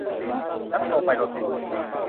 เลปโตสไปโรซิส